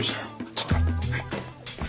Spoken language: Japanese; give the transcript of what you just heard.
ちょっと。